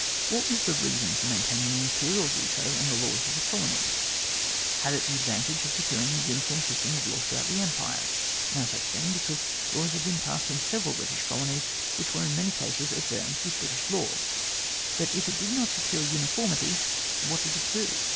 What was the reason for \ maintaining the Imperial veto on the laws of the colonies ? Had it the advantage of securing a uniform system of law ' throughout the Empire ? No such thing, because laws had been passed in several British colonies, which were in many cases at variance with the British law. But if it did not secure uniformity, what did it do